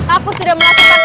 aku sudah melakukan